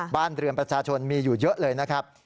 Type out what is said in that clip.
บ้านเรือนประชาชนมีอยู่เยอะเลยนะครับ